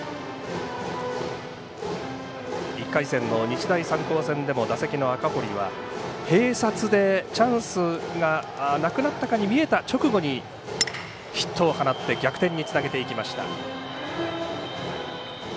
１回戦の日大三高戦でも打席の赤堀は併殺でチャンスがなくなったかに見えた直後にヒットを放って逆転につなげていきました。